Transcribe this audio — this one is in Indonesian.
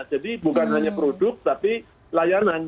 jadi bukan hanya produk tapi layanan